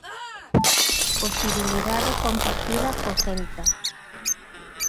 Posibilidade compartida co Celta.